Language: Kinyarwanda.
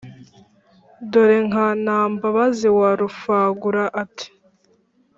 dore nka ntambabazi wa rufangura ati: ”